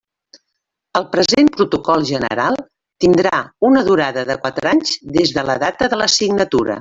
El present protocol general tindrà una durada de quatre anys des de la data de la signatura.